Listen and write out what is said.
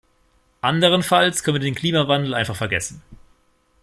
Anderenfalls können wir den Klimawandel einfach vergessen.